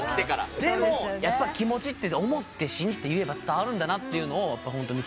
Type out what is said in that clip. でも気持ちって思って信じて言えば伝わるんだなというのをホント見せてくれて。